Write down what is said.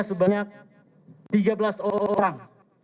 sebanyak tiga belas orang